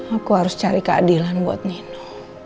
aku harus cari keadilan buat ninu